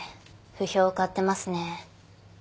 不評を買ってますね。